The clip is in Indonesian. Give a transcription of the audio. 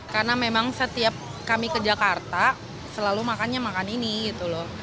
karena memang setiap kami ke jakarta selalu makannya makan ini gitu loh